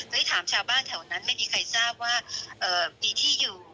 แล้วที่ถามสู่บ้านแถวนั้นไม่มีใครทราบว่าอยู่ที่ค่ะ